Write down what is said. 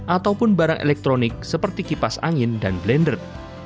ataupun barang elektronik seperti kipas angin dan blender